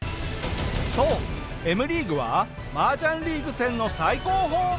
そうＭリーグは麻雀リーグ戦の最高峰。